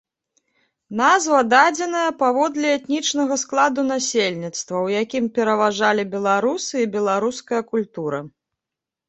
Назва дадзеная паводле этнічнага складу насельніцтва, у якім пераважалі беларусы і беларуская культура.